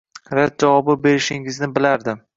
Rad javobi berishingizni bilardim